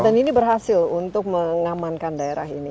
dan ini berhasil untuk mengamankan daerah ini